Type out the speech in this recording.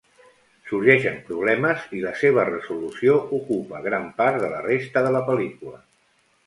Sorgeixen problemes, i la seva resolució ocupa gran part de la resta de la pel·lícula.